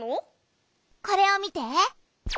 これを見て。